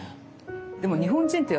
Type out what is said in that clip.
でも日本人って